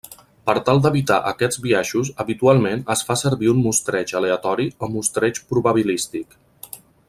Per tal d'evitar aquests biaixos habitualment es fa servir un mostreig aleatori o mostreig probabilístic.